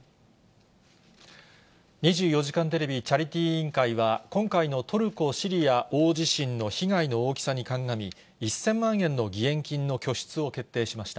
２４時間テレビチャリティー委員会は、今回のトルコ・シリア大地震の被害の大きさに鑑み、１０００万円の義援金の拠出を決定しました。